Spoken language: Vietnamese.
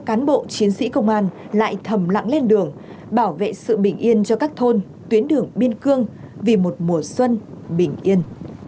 các cán bộ chiến sĩ công an lại thầm lặng lên đường bảo vệ sự bình yên cho các thôn tuyến đường biên cương vì một mùa xuân bình yên